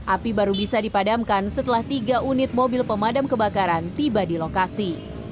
api baru bisa dipadamkan setelah tiga unit mobil pemadam kebakaran tiba di lokasi